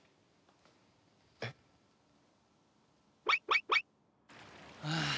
えっ？はあ。